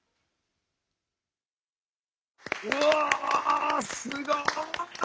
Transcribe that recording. うわすごい。